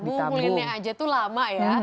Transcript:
ngumpulinnya aja tuh lama ya